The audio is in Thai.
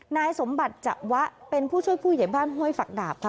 นายสมบัติจะวะเป็นผู้ช่วยผู้ใหญ่บ้านห้วยฝักดาบค่ะ